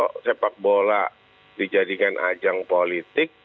kalau sepak bola dijadikan ajang politik